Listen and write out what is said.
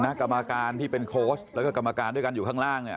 กรรมการที่เป็นโค้ชแล้วก็กรรมการด้วยกันอยู่ข้างล่างเนี่ย